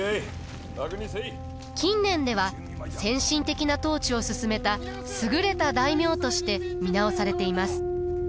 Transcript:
近年では先進的な統治をすすめた優れた大名として見直されています。